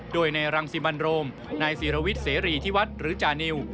โดยนายรังสิมันโรมนายศิรวิทย์เสรีที่วัดหรือจานิว